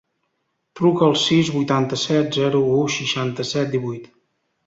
Truca al sis, vuitanta-set, zero, u, seixanta-set, divuit.